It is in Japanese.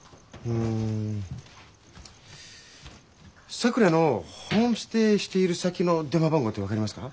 さくらのホームステイしている先の電話番号って分かりますか？